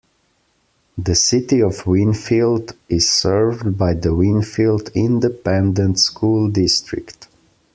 The City of Winfield is served by the Winfield Independent School District.